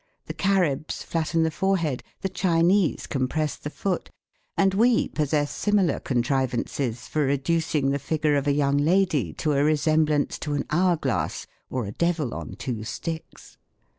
The Caribs flattfen the forehead ; the Chinese compress the foot; and we possess similar contrivances for reducing the figure of a young lady to a resemblance to an hour glass or a devil on two sticks.